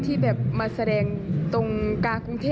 สุดยอดเลยคุณผู้ชมค่ะบอกเลยว่าเป็นการส่งของคุณผู้ชมค่ะ